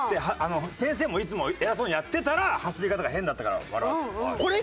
先生もいつも偉そうにやってたら走り方が変だったから笑われ。